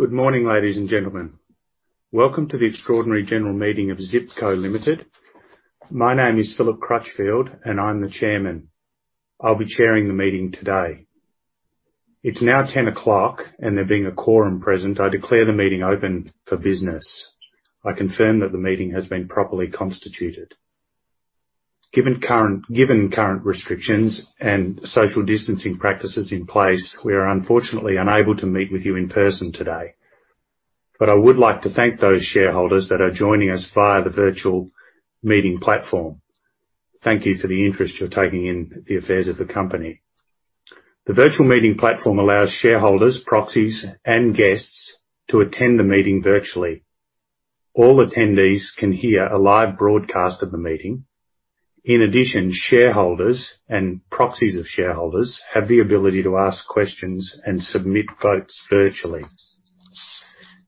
Good morning, ladies and gentlemen. Welcome to the Extraordinary General Meeting of Zip Co Limited. My name is Philip Crutchfield, and I'm the chairman. I'll be chairing the meeting today. It's now 10:00 A.M., and there being a quorum present, I declare the meeting open for business. I confirm that the meeting has been properly constituted. Given current restrictions and social distancing practices in place, we are unfortunately unable to meet with you in person today. But I would like to thank those shareholders that are joining us via the virtual meeting platform. Thank you for the interest you're taking in the affairs of the company. The virtual meeting platform allows shareholders, proxies, and guests to attend the meeting virtually. All attendees can hear a live broadcast of the meeting. In addition, shareholders and proxies of shareholders have the ability to ask questions and submit votes virtually.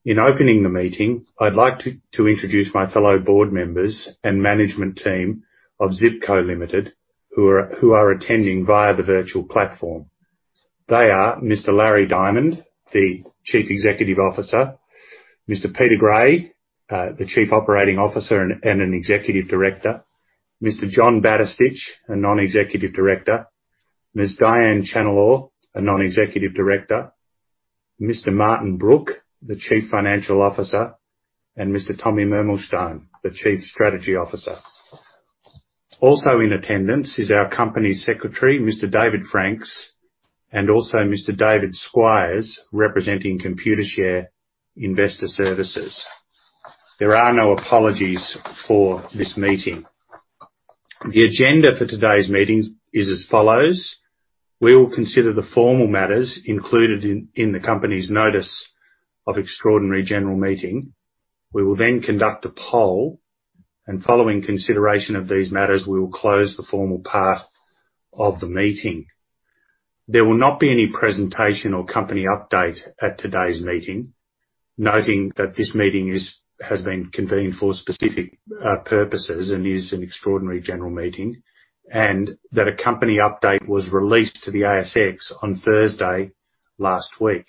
In opening the meeting, I'd like to introduce my fellow board members and management team of Zip Co Limited, who are attending via the virtual platform. They are Mr. Larry Diamond, the Chief Executive Officer, Mr. Peter Gray, the Chief Operating Officer and an Executive Director, Mr. John Batistich, a Non-Executive Director, Ms. Dianne Challenor, a Non-Executive Director, Mr. Martin Brooke, the Chief Financial Officer, and Mr. Tommy Mermelshtayn, the Chief Strategy Officer. Also in attendance is our Company Secretary, Mr. David Franks, and also Mr. David Squire, representing Computershare Investor Services. There are no apologies for this meeting. The agenda for today's meeting is as follows: We will consider the formal matters included in the company's notice of extraordinary general meeting. We will then conduct a poll, and following consideration of these matters, we will close the formal part of the meeting. There will not be any presentation or company update at today's meeting. Noting that this meeting has been convened for specific purposes and is an extraordinary general meeting, and that a company update was released to the ASX on Thursday last week.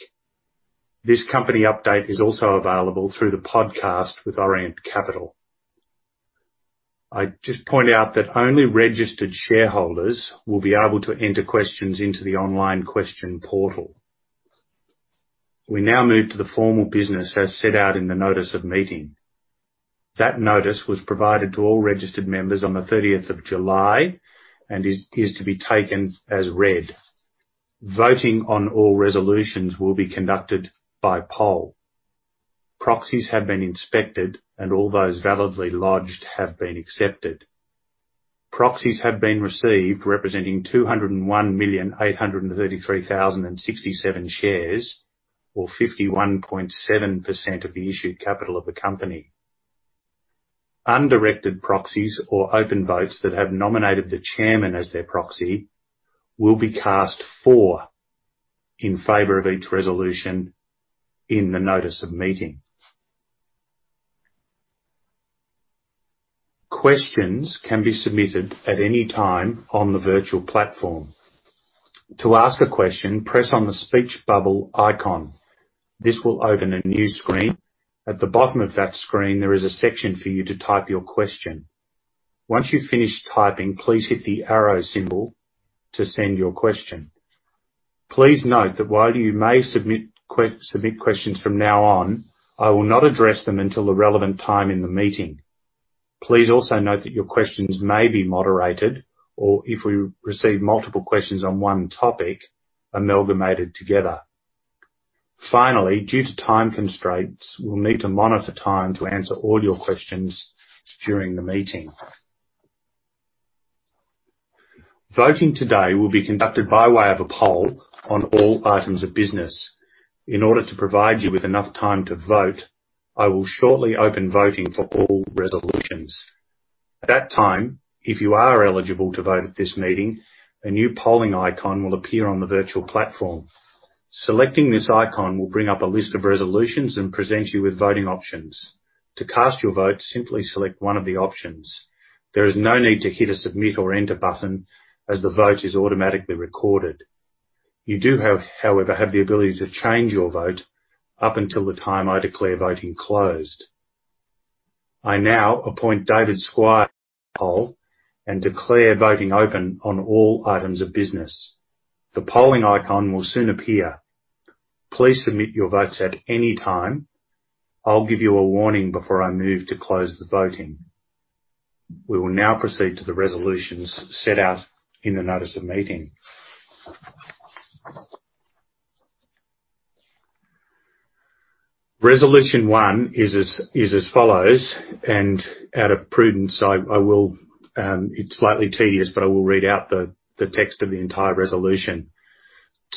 This company update is also available through the podcast with Orient Capital. I'd just point out that only registered shareholders will be able to enter questions into the online question portal. We now move to the formal business as set out in the notice of meeting. That notice was provided to all registered members on the thirtieth of July and is to be taken as read. Voting on all resolutions will be conducted by poll. Proxies have been inspected, and all those validly lodged have been accepted. Proxies have been received representing two hundred and one million, eight hundred and thirty-three thousand, and sixty-seven shares, or 51.7% of the issued capital of the company. Undirected proxies or open votes that have nominated the chairman as their proxy will be cast for, in favor of each resolution in the notice of meeting. Questions can be submitted at any time on the virtual platform. To ask a question, press on the speech bubble icon. This will open a new screen. At the bottom of that screen, there is a section for you to type your question. Once you've finished typing, please hit the arrow symbol to send your question. Please note that while you may submit questions from now on, I will not address them until the relevant time in the meeting. Please also note that your questions may be moderated, or if we receive multiple questions on one topic, amalgamated together. Finally, due to time constraints, we'll need to monitor time to answer all your questions during the meeting. Voting today will be conducted by way of a poll on all items of business. In order to provide you with enough time to vote, I will shortly open voting for all resolutions. At that time, if you are eligible to vote at this meeting, a new polling icon will appear on the virtual platform. Selecting this icon will bring up a list of resolutions and present you with voting options. To cast your vote, simply select one of the options. There is no need to hit a submit or enter button, as the vote is automatically recorded. You do, however, have the ability to change your vote up until the time I declare voting closed. I now appoint David Squire, poll, and declare voting open on all items of business. The polling icon will soon appear. Please submit your votes at any time. I'll give you a warning before I move to close the voting. We will now proceed to the resolutions set out in the notice of meeting. Resolution One is as follows, and out of prudence, I will. It's slightly tedious, but I will read out the text of the entire resolution.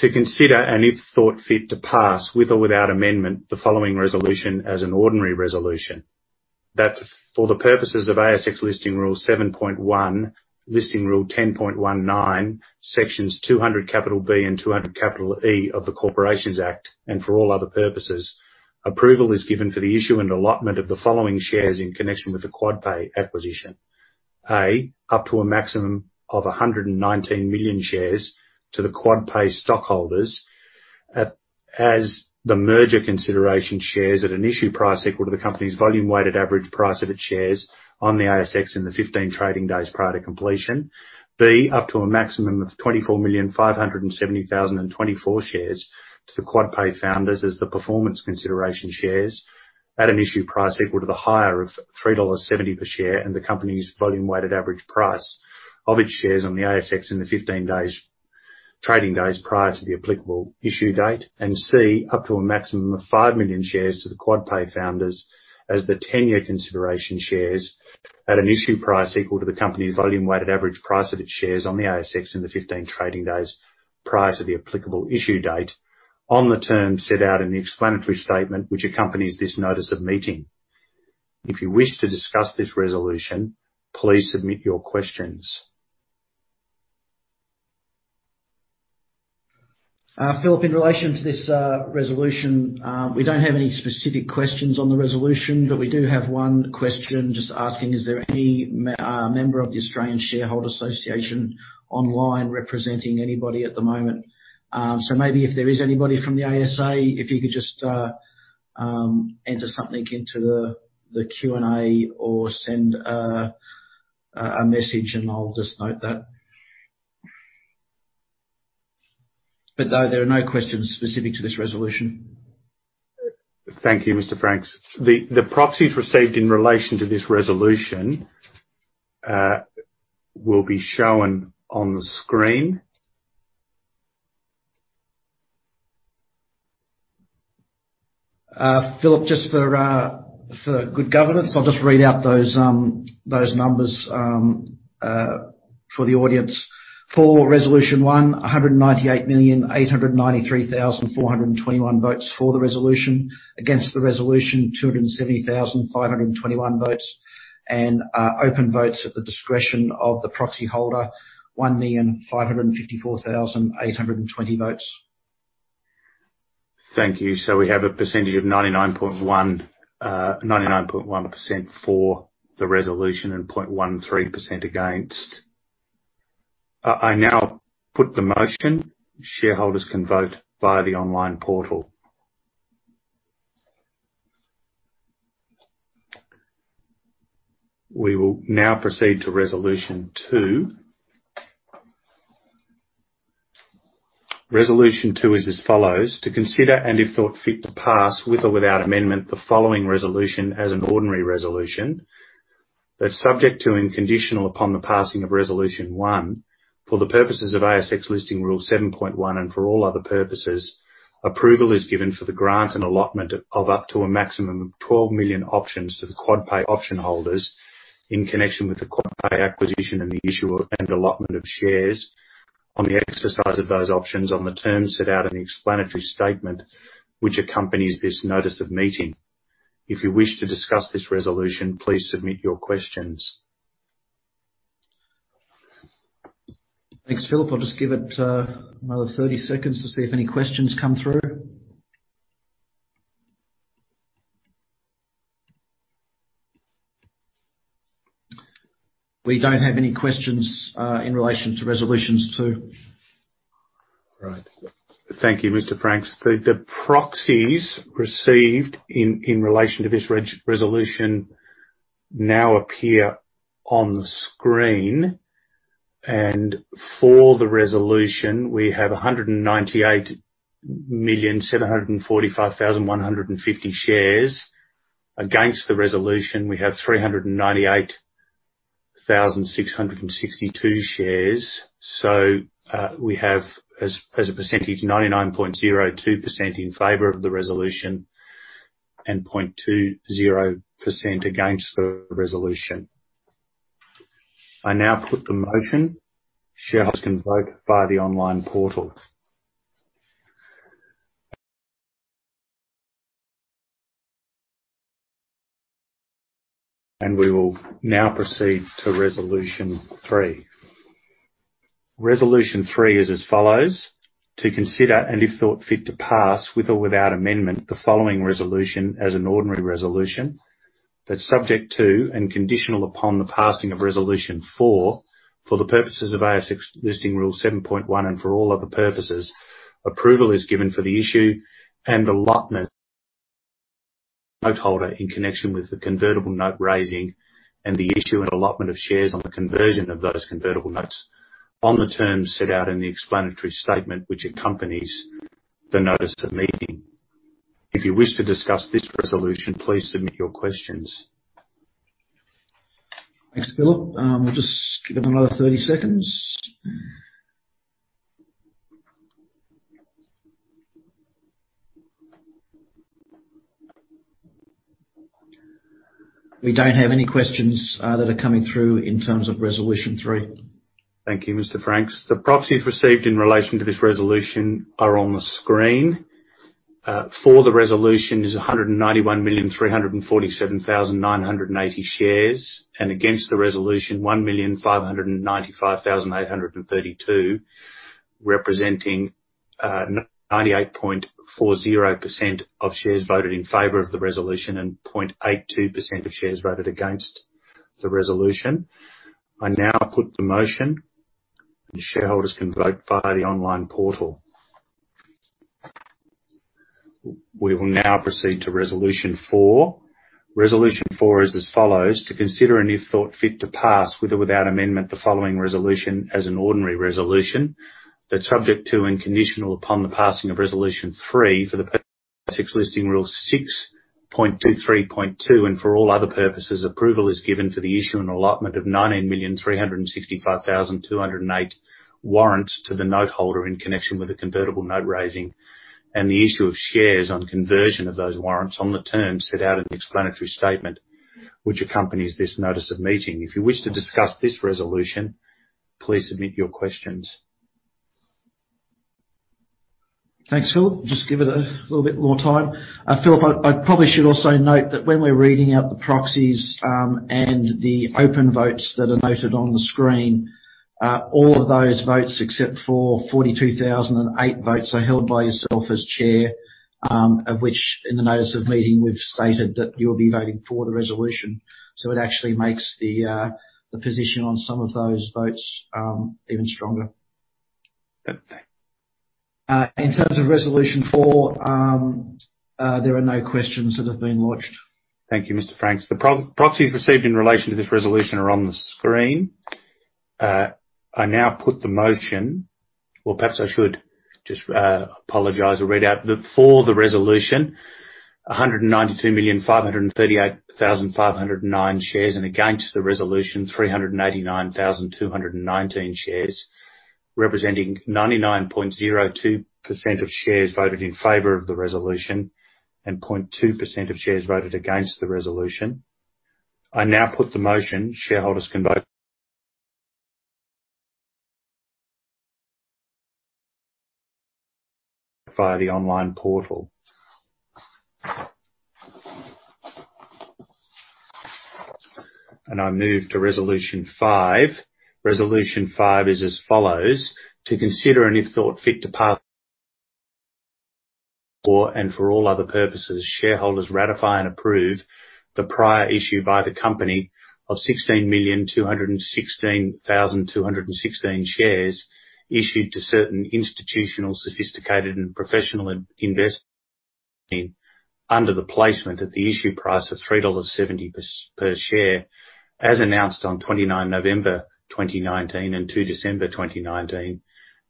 To consider, and if thought fit, to pass, with or without amendment, the following resolution as an ordinary resolution. That for the purposes of ASX Listing Rule 7.1, Listing Rule 10.19, Sections 200B and 200E of the Corporations Act, and for all other purposes, approval is given for the issue and allotment of the following shares in connection with the QuadPay acquisition. Up to a maximum of a hundred and nineteen million shares to the QuadPay stockholders, as the merger consideration shares at an issue price equal to the company's volume-weighted average price of its shares on the ASX in the fifteen trading days prior to completion. B, up to a maximum of twenty-four million, five hundred and seventy thousand and twenty-four shares to the QuadPay founders as the performance consideration shares at an issue price equal to the higher of 3.70 dollars per share, and the company's volume-weighted average price of its shares on the ASX in the fifteen trading days prior to the applicable issue date, and C, up to a maximum of five million shares to the QuadPay founders as the tenure consideration shares at an issue price equal to the company's volume-weighted average price of its shares on the ASX in the fifteen trading days prior to the applicable issue date, on the terms set out in the explanatory statement which accompanies this notice of meeting. If you wish to discuss this resolution, please submit your questions. Philip, in relation to this resolution, we don't have any specific questions on the resolution, but we do have one question just asking: Is there any member of the Australian Shareholders' Association online representing anybody at the moment? So maybe if there is anybody from the ASA, if you could just enter something into the Q&A or send a message, and I'll just note that. But no, there are no questions specific to this resolution. Thank you, Mr. Franks. The proxies received in relation to this resolution will be shown on the screen. Philip, just for good governance, I'll just read out those numbers for the audience. For Resolution One, a 198, 893,421 votes for the resolution. Against the resolution, 270,000, 521 votes. And open votes at the discretion of the proxyholder, 1, 554, 820 votes. Thank you. So we have a percentage of 99.1, 99.1% for the resolution, and 0.13% against. I now put the motion. Shareholders can vote via the online portal. We will now proceed to resolution two. Resolution two is as follows: To consider, and if thought fit to pass, with or without amendment, the following resolution as an ordinary resolution, that subject to, and conditional upon the passing of Resolution one, for the purposes of ASX Listing Rule 7.1, and for all other purposes, approval is given for the grant and allotment of up to a maximum of 12 million options to the QuadPay option holders in connection with the QuadPay acquisition and the issue of, and allotment of shares on the exercise of those options, on the terms set out in the explanatory statement which accompanies this notice of meeting. If you wish to discuss this resolution, please submit your questions. Thanks, Philip. I'll just give it another thirty seconds to see if any questions come through. We don't have any questions in relation to Resolution Two. Right. Thank you, Mr. Franks. The proxies received in relation to this resolution now appear on the screen, and for the resolution, we have a hundred and ninety-eight million, seven hundred and forty-five thousand, one hundred and fifty shares. Against the resolution, we have three hundred and ninety-eight thousand, six hundred and sixty-two shares. So, we have as a percentage, 99.02% in favor of the resolution and 0.20% against the resolution. I now put the motion. Shareholders can vote via the online portal, and we will now proceed to Resolution Three. Resolution Three is as follows: To consider, and if thought fit to pass, with or without amendment, the following resolution as an ordinary resolution, that subject to, and conditional upon the passing of Resolution four, for the purposes of ASX Listing Rule 7.1, and for all other purposes, approval is given for the issue and allotment to the note holder in connection with the convertible note raising, and the issue and allotment of shares on the conversion of those convertible notes, on the terms set out in the explanatory statement which accompanies the notice of meeting. If you wish to discuss this resolution, please submit your questions. Thanks, Philip. We'll just give it another 30 seconds. We don't have any questions that are coming through in terms of Resolution Three Thank you, Mr. Franks. The proxies received in relation to this resolution are on the screen. For the resolution is a 191,000, 000, 347, 000, 980 shares, and against the resolution, 1,595, 932 98.40% of shares voted in favor of the resolution, and 0.82% of shares voted against the resolution. I now put the motion, and shareholders can vote via the online portal. We will now proceed to Resolution Four. Resolution Four is as follows: To consider and, if thought fit to pass, with or without amendment, the following resolution as an ordinary resolution. That, subject to and conditional upon the passing of Resolution Three, for the purposes of Listing Rule 6.23.2, and for all other purposes, approval is given to the issue and allotment of nineteen million, three hundred and sixty-five thousand, two hundred and eight warrants to the noteholder in connection with the convertible note raising, and the issue of shares on conversion of those warrants on the terms set out in the explanatory statement, which accompanies this notice of meeting. If you wish to discuss this resolution, please submit your questions. Thanks, Phil. Just give it a little bit more time. Philip, I probably should also note that when we're reading out the proxies, and the open votes that are noted on the screen, all of those votes, except for 42,008 votes, are held by yourself as chair, of which, in the notice of meeting, we've stated that you'll be voting for the resolution. So it actually makes the position on some of those votes even stronger. Okay. In terms of Resolution Four, there are no questions that have been lodged. Thank you, Mr. Franks. The proxies received in relation to this resolution are on the screen. I now put the motion. Or perhaps I should just apologize or read out that for the resolution,192,538,509 shares, and against the resolution, 389, 219 shares, representing 99.02% of shares voted in favor of the resolution, and 0.2% of shares voted against the resolution. I now put the motion. Shareholders can vote via the online portal, and I move to Resolution Five. Resolution Five is as follows: To consider, and if thought fit, to pass for, and for all other purposes, shareholders ratify and approve the prior issue by the company of 16, 216,216 shares, issued to certain institutional, sophisticated, and professional investors under the placement at the issue price of 3.70 dollars per share, as announced on 29 November 2019 and 2 December 2019,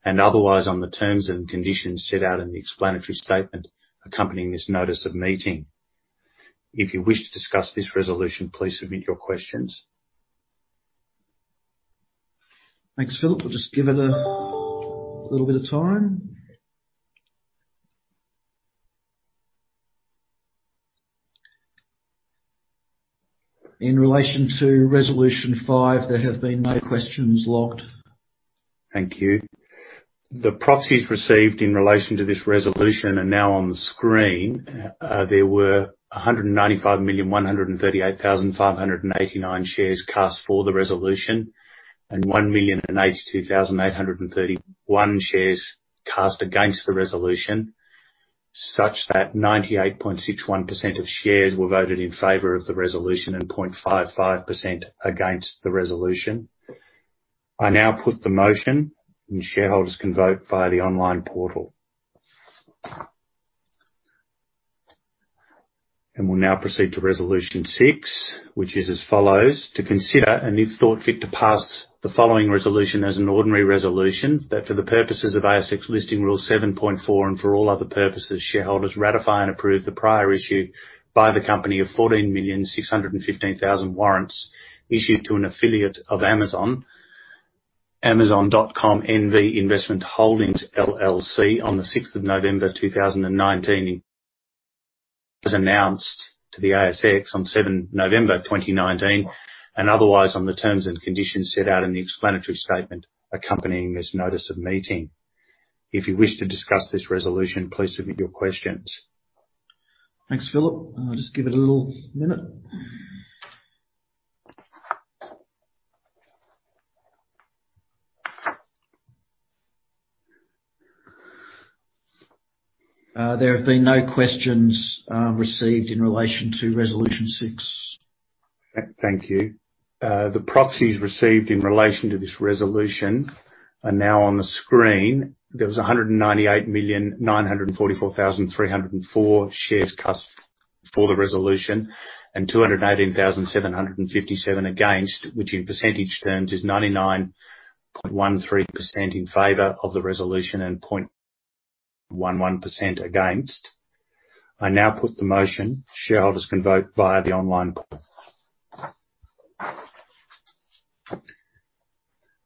and otherwise on the terms and conditions set out in the explanatory statement accompanying this notice of meeting. If you wish to discuss this resolution, please submit your questions. Thanks, Philip. We'll just give it a little bit of time. In relation to Resolution Five, there have been no questions logged. Thank you. The proxies received in relation to this resolution are now on the screen. There were a 195,138,589 shares cast for the resolution, and 182,831shares cast against the resolution, such that 98.61% of shares were voted in favor of the resolution, and 0.55% against the resolution. I now put the motion, and shareholders can vote via the online portal. And we'll now proceed to Resolution Six, which is as follows: To consider, and if thought fit, to pass the following resolution as an ordinary resolution, that for the purposes of ASX Listing Rule 7.4, and for all other purposes, shareholders ratify and approve the prior issue by the company of fourteen million, six hundred and fifteen thousand warrants, issued to an affiliate of Amazon, Amazon.com NV Investment Holdings LLC, on the 6th of November, 2019 , as announced to the ASX on 7 November, 2019, and otherwise on the terms and conditions set out in the explanatory statement accompanying this notice of meeting. If you wish to discuss this resolution, please submit your questions. Thanks, Philip. I'll just give it a little minute. There have been no questions received in relation to Resolution Six. Thank you. The proxies received in relation to this resolution are now on the screen. There was a hundred and ninety-eight million, nine hundred and forty-four thousand, three hundred and four shares cast for the resolution, and two hundred and eighteen thousand, seven hundred and fifty-seven against, which in percentage terms, is 99.13% in favor of the resolution, and 0.11% against. I now put the motion. Shareholders can vote via the online.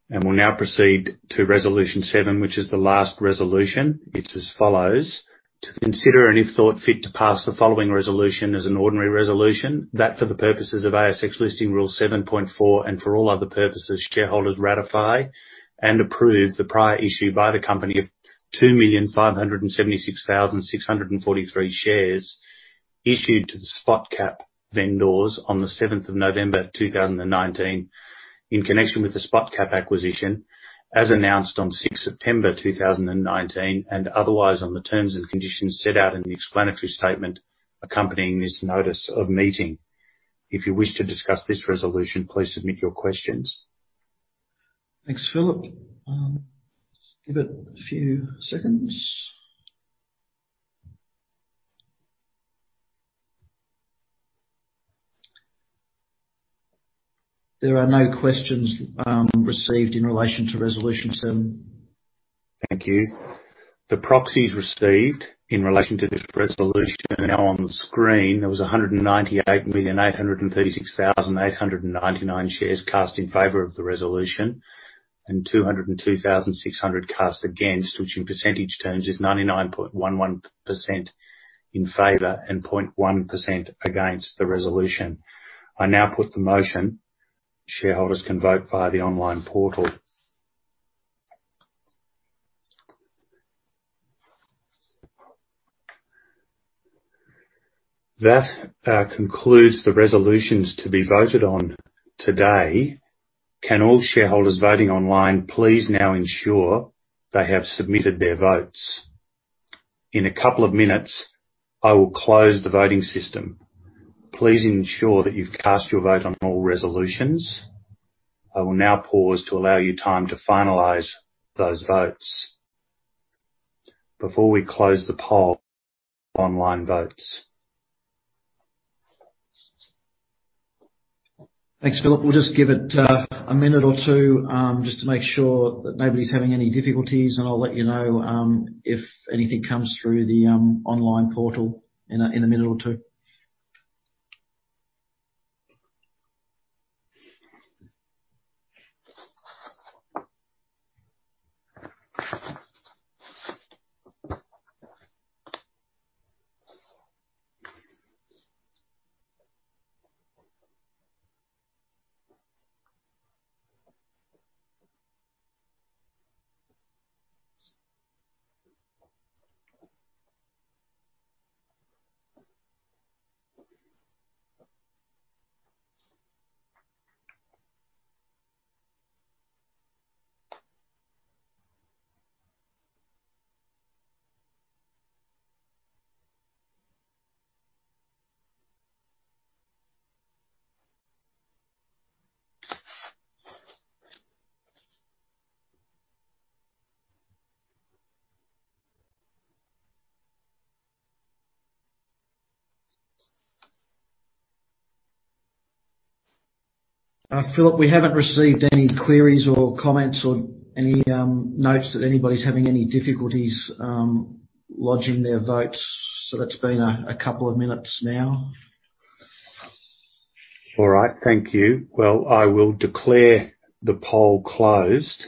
We'll now proceed to Resolution Seven, which is the last resolution. It's as follows: To consider, and if thought fit, to pass the following resolution as an ordinary resolution, that for the purposes of ASX Listing Rule 7.4, and for all other purposes, shareholders ratify and approve the prior issue by the company of two million, five hundred and seventy-six thousand, six hundred and forty-three shares... issued to the Spotcap vendors on the seventh of November, two thousand and nineteen, in connection with the Spotcap acquisition, as announced on sixth September two thousand and nineteen, and otherwise on the terms and conditions set out in the explanatory statement accompanying this notice of meeting. If you wish to discuss this resolution, please submit your questions. Thanks, Philip. Give it a few seconds. There are no questions received in relation to Resolution seven. Thank you. The proxies received in relation to this resolution are now on the screen. There was a hundred and ninety-eight million, eight hundred and thirty-six thousand, eight hundred and ninety-nine shares cast in favor of the resolution, and two hundred and two thousand six hundred cast against, which in percentage terms is 99.11% in favor and 0.1% against the resolution. I now put the motion. Shareholders can vote via the online portal. That concludes the resolutions to be voted on today. Can all shareholders voting online please now ensure they have submitted their votes? In a couple of minutes, I will close the voting system. Please ensure that you've cast your vote on all resolutions. I will now pause to allow you time to finalize those votes... before we close the poll online votes. Thanks, Philip. We'll just give it a minute or two just to make sure that nobody's having any difficulties, and I'll let you know if anything comes through the online portal in a minute or two. Philip, we haven't received any queries or comments, or any notes that anybody's having any difficulties lodging their votes, so that's been a couple of minutes now. All right. Thank you. Well, I will declare the poll closed.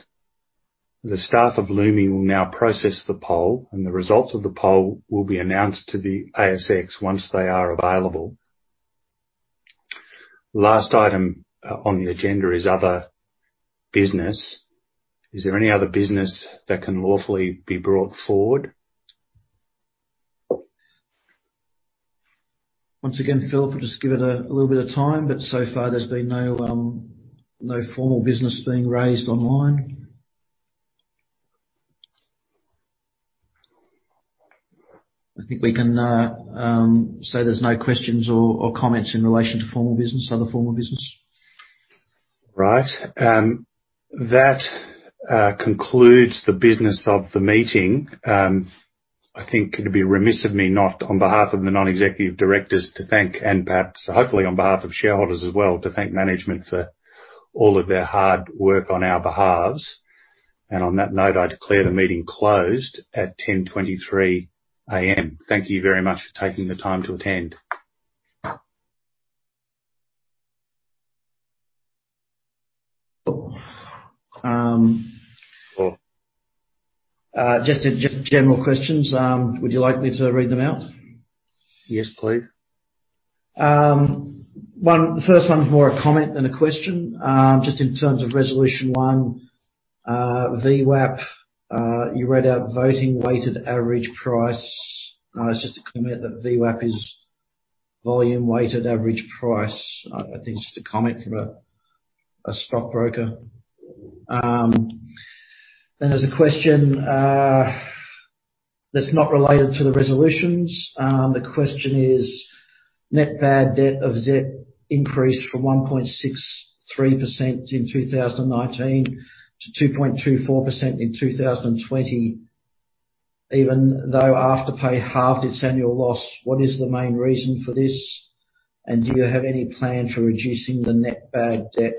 The staff of Lumi will now process the poll, and the results of the poll will be announced to the ASX once they are available. Last item on the agenda is other business. Is there any other business that can lawfully be brought forward? Once again, Philip, we'll just give it a little bit of time, but so far there's been no formal business being raised online. I think we can say there's no questions or comments in relation to formal business, other formal business. Right. That concludes the business of the meeting. I think it'd be remiss of me not, on behalf of the non-executive directors, to thank, and perhaps, hopefully, on behalf of shareholders as well, to thank management for all of their hard work on our behalves. And on that note, I declare the meeting closed at 10:23 A.M. Thank you very much for taking the time to attend. Oh, just general questions. Would you like me to read them out? Yes, please. One, the first one is more a comment than a question. Just in terms of resolution one, VWAP. You read out Voting Weighted Average Price. It's just to comment that VWAP is Volume Weighted Average Price. I think it's just a comment from a stockbroker. Then there's a question that's not related to the resolutions. The question is: net bad debt of Zip increased from 1.63% in 2019 to 2.24% in 2020, even though Afterpay halved its annual loss. What is the main reason for this? And do you have any plan for reducing the net bad debt?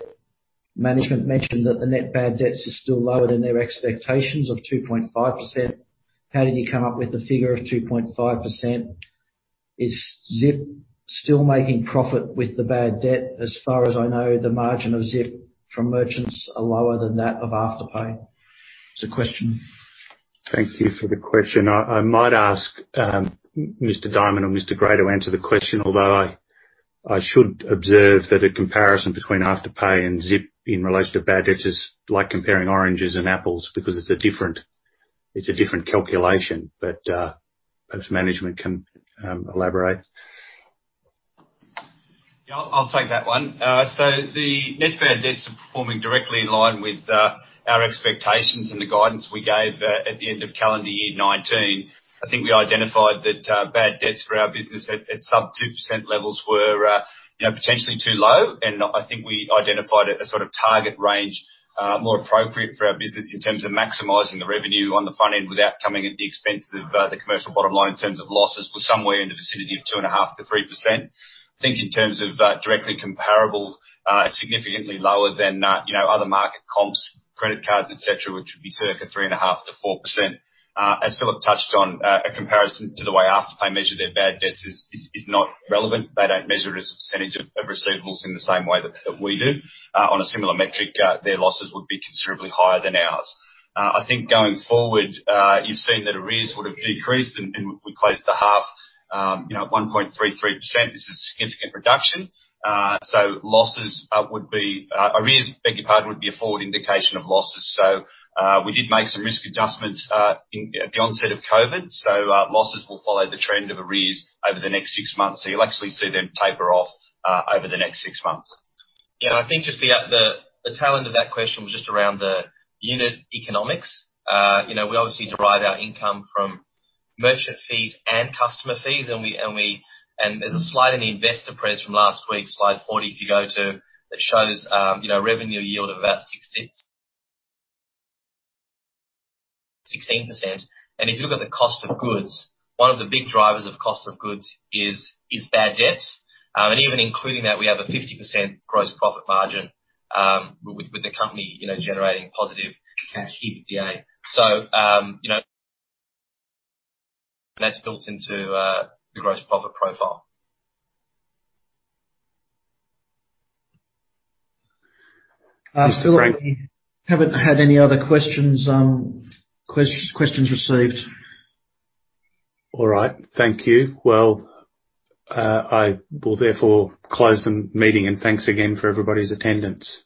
Management mentioned that the net bad debts are still lower than their expectations of 2.5%. How did you come up with the figure of 2.5%? Is Zip still making profit with the bad debt? As far as I know, the margin of Zip from merchants are lower than that of Afterpay. It's a question. Thank you for the question. I might ask Mr. Diamond and Mr. Gray to answer the question, although I should observe that a comparison between Afterpay and Zip in relation to bad debts is like comparing oranges and apples, because it's a different-... It's a different calculation, but perhaps management can elaborate. Yeah, I'll take that one. So the net bad debts are performing directly in line with our expectations and the guidance we gave at the end of calendar year 2019. I think we identified that bad debts for our business at sub 2% levels were, you know, potentially too low. And I think we identified a sort of target range more appropriate for our business in terms of maximizing the revenue on the front end, without coming at the expense of the commercial bottom line in terms of losses, was somewhere in the vicinity of 2.5%-3%. I think in terms of directly comparable is significantly lower than, you know, other market comps, credit cards, et cetera, which would be circa 3.5%-4%. As Philip touched on, a comparison to the way Afterpay measure their bad debts is not relevant. They don't measure it as a percentage of receivables in the same way that we do. On a similar metric, their losses would be considerably higher than ours. I think going forward, you've seen that arrears would've decreased, and we're close to half, you know, 1.33%. This is a significant reduction. So losses would be arrears, beg your pardon, would be a forward indication of losses. So we did make some risk adjustments in at the onset of COVID, so losses will follow the trend of arrears over the next six months. So you'll actually see them taper off over the next six months. Yeah, and I think just the tail end of that question was just around the unit economics. You know, we obviously derive our income from merchant fees and customer fees, and we and there's a slide in the investor presentation from last week, slide 40 if you go to, that shows, you know, revenue yield of about 16%. And if you look at the cost of goods, one of the big drivers of cost of goods is bad debts. And even including that, we have a 50% gross profit margin, with the company, you know, generating positive cash EBITDA. So, you know, that's built into the gross profit profile. Philip, we haven't had any other questions, questions received. All right. Thank you. Well, I will therefore close the meeting, and thanks again for everybody's attendance.